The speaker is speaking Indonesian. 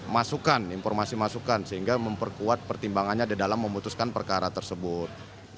masukan informasi masukan sehingga memperkuat pertimbangannya di dalam memutuskan perkara tersebut